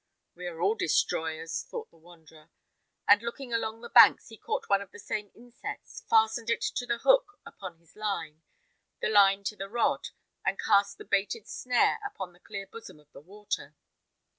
"We are all destroyers," thought the wanderer; and looking along the banks, he caught one of the same insects, fastened it to the hook upon his line, the line to the rod, and cast the baited snare upon the clear bosom of the water.